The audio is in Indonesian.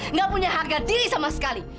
nggak punya harga diri sama sekali